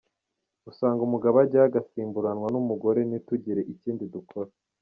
Usanga umugabo ajyayo agasimburanwa n’umugore ntitugire ikindi dukora”.